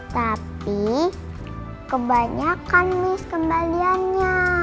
tapi kebanyakan miss kembaliannya